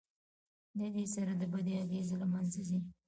له دې سره د بدۍ اغېز له منځه ځي.